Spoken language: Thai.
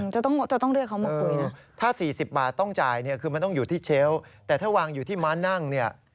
แจบฮะถ้า๔๐บาทต้องจ่ายเนี่ยคือมันต้องอยู่ที่เชลล์แต่ถ้าวางอยู่ที่มันต์นั่งเนี่ย